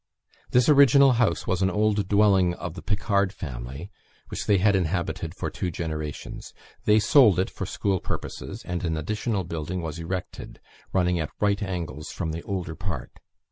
This original house was an old dwelling of the Picard family, which they had inhabited for two generations. They sold it for school purposes, and an additional building was erected, running at right angles from the older part.